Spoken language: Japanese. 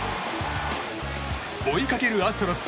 追いかけるアストロズ。